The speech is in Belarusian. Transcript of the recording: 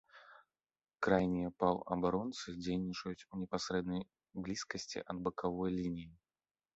Крайнія паўабаронцы дзейнічаюць у непасрэднай блізкасці ад бакавой лініі.